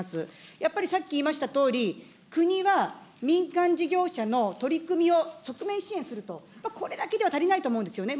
やっぱりさっき言いましたとおり、国は民間事業者の取り組みを促進支援すると、これだけでは足りないと思うんですよね。